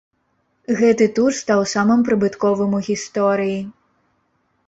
Гэты тур стаў самым прыбытковым у гісторыі.